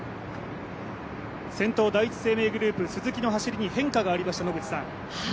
先頭第一生命グループ・鈴木の走りに変化がありました。